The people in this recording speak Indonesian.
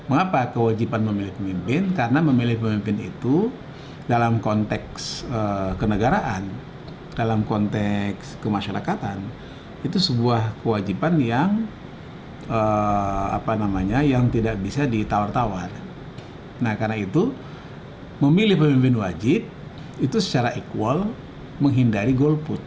nah karena itu memilih pemimpin wajib itu secara equal menghindari golput